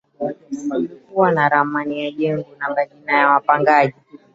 Kulikuwa na ramani ya jengo na majina ya wapangaji